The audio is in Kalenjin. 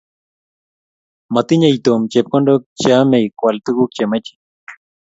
matinyei tom chepkondok cheemei koal tukuk chemachei